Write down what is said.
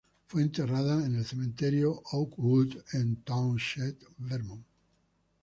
Fue enterrada en el Cementerio Oakwood en Townshend, Vermont.